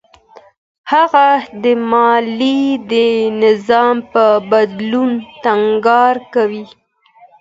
هغه د مالدارۍ د نظام په بدلون ټينګار کوي.